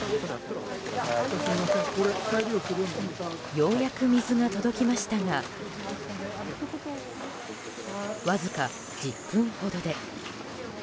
ようやく水が届きましたがわずか１０分ほどで。